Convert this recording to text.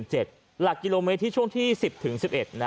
หลักกิโลเมตรที่ช่วงที่๑๐๑๑นะ